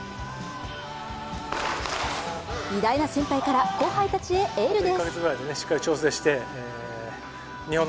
偉大な先輩から後輩たちへエールです。